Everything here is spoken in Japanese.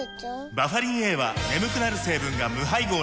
バファリンＡは眠くなる成分が無配合なんです